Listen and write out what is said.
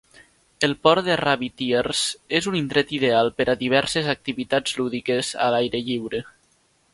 El port de Rabbit Ears és un indret ideal per a diverses activitats lúdiques a l'aire lliure.